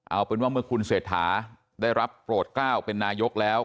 เอาเป็นว่าเมื่อคุณเศรษฐาได้รับโปรดกล้าวเป็นนายกแล้ว